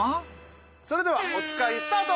それではおつかいスタート！